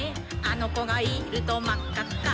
「あのこがいるとまっかっか」